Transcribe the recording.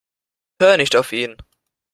Hör nicht auf ihn.